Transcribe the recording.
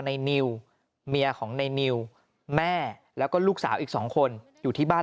ในนิวเมียของในนิวแม่แล้วก็ลูกสาวอีก๒คนอยู่ที่บ้าน